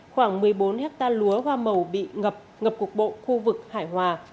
vòng một mươi bốn hectare lúa hoa màu bị ngập ngập cục bộ khu vực hải hòa